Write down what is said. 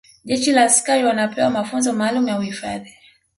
jeshi la askari wanapewa mafunzo maalumu ya uhifadhi